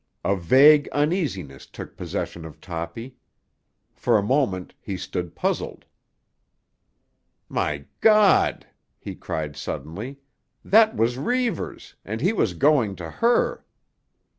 A vague uneasiness took possession of Toppy. For a moment he stood puzzled. "My ——!" he cried suddenly. "That was Reivers, and he was going to her!"